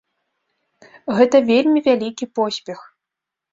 Гэта вельмі вялікі поспех.